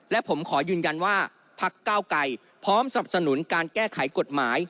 และผมขอยืนยันว่าพักเก้าไกรพร้อมสนับสนุนการแก้ไขกฎหมาย